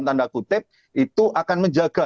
tanda kutip itu akan menjaga